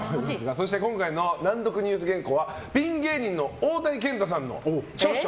そして、今回の難読ニュース原稿はピン芸人の大谷健太さんの著書